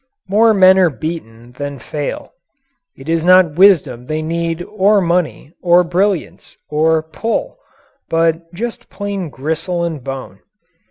More men are beaten than fail. It is not wisdom they need or money, or brilliance, or "pull," but just plain gristle and bone.